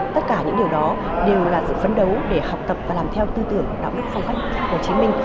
tất cả những điều đó đều là sự phấn đấu để học tập và làm theo tư tưởng đạo đức phong cách hồ chí minh